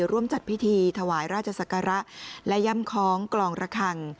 ร่วมจัดพิธีถวายราชศักระและย่ำคล้องกลองระคัง